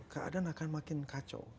keadaan akan makin kacau